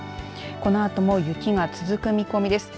このあとも雪が続く見込みです。